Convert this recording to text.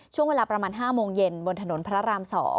ช่วงเวลาประมาณ๕โมงเย็นบนถนนพระราม๒